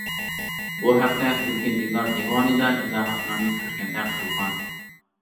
بۇ ھەقتە تۈركى تىللار دىۋانىدا ئىزاھاتلارنى كۆرگەندەك قىلغان.